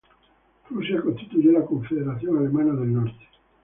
Prusia constituyó la "Confederación Alemana del Norte".